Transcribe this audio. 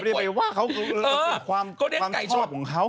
ไปว่าเขาคือความชอบของเขา